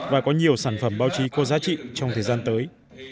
và có nhiều sản phẩm báo chí có giá trị trong thời gian tới